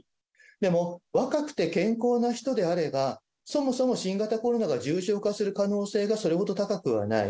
でも、若くて健康な人であれば、そもそも新型コロナが重症化する可能性がそれほど高くはない。